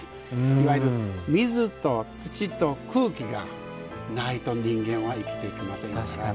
いわゆる水と土と空気がないと人間は生きていけませんから。